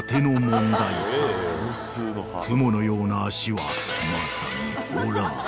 ［クモのような脚はまさにホラー］